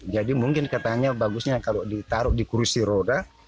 jadi mungkin katanya bagusnya kalau ditaruh di kursi roda